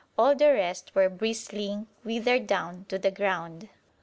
All the rest were bristling, withered down to the ground.